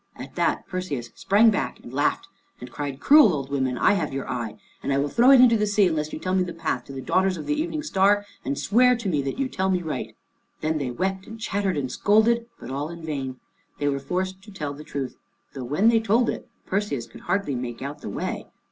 At that Perseus sprang back and laughed and cried, "Cruel old women, I have your eye, and I will throw it into the sea, unless you tell me the path to the daughters of the Evening Star and swear to me that you tell me right." Then they wept and chattered and scolded, but all in vain. They were forced to tell the truth, though when they told it, Perseus could hardly make out the way.